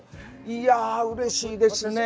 いやうれしいですね。